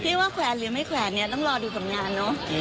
ว่าแขวนหรือไม่แขวนเนี่ยต้องรอดูผลงานเนอะ